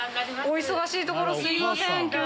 お忙しいところすいません。